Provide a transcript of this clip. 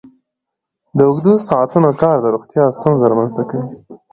د اوږده ساعتونو کار د روغتیا ستونزې رامنځته کوي.